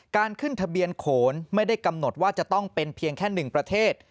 การขึ้นทะเบียนโขนไม่ได้กำหนดว่าจะต้องเป็นเพียงแค่๑ประเทศ